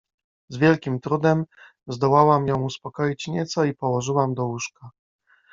Z wielkim trudem zdołałam ją uspokoić nieco i położyłam do łóżka.